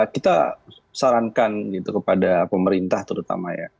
kita sarankan kepada pemerintah terutama